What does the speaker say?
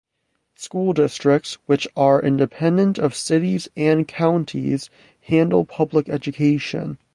School districts, which are independent of cities and counties, handle public education.